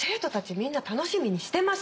みんな楽しみにしてます。